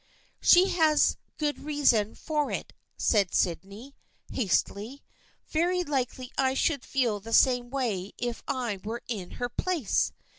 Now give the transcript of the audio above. " She has good reason for it," said Sydney, has tily. " Very likely I should feel the same way if I were in her place.